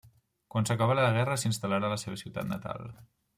Quan acabà la guerra s'instal·larà a la seva ciutat natal.